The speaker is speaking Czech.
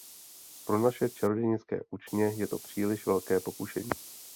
Pro naše čarodějnické učně je to příliš velké pokušení.